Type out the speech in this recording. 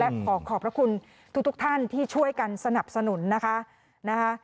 และขอขอบพระคุณทุกท่านที่ช่วยกันสนับสนุนนะคะ